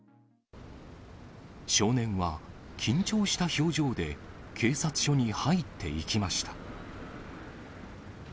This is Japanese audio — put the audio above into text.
少年は緊張した表情で警察署に入っていきました。